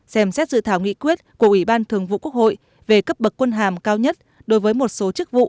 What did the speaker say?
xem xét dự thảo nghị quyết của ủy ban thường vụ quốc hội về cấp bậc quân hàm cao nhất đối với một số chức vụ